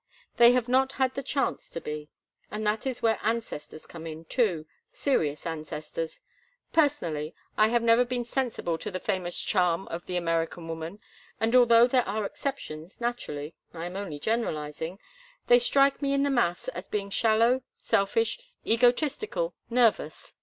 They have not had the chance to be, and that is where ancestors come in, too—serious ancestors. Personally, I have never been sensible to the famous charm of the American woman, and although there are exceptions, naturally—I am only generalizing—they strike me in the mass as being shallow, selfish, egotistical, nervous.